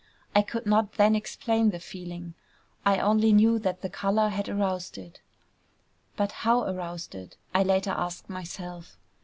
I could not then explain the feeling; I only knew that the color had aroused it. But how aroused it? I later asked myself.